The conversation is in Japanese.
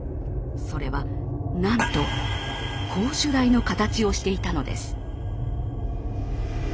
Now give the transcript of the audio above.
それはなんと絞首台の形をしていたのです。